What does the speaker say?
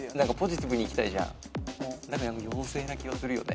だから妖精な気はするよね。